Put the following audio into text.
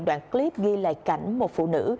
đoạn clip ghi lại cảnh một phụ nữ